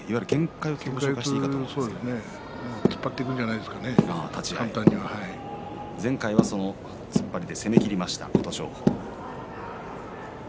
突っ張っていくんじゃない前回は突っ張りで攻めきった琴勝峰。